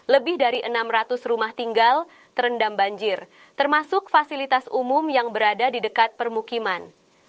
lebih dari enam ratus rumah tinggal terendam banjir termasuk fasilitas umum yang berada di dekat permukiman